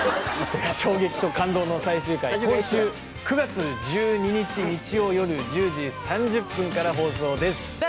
衝撃と感動の最終回今週９月１２日日曜夜１０時３０分から放送です。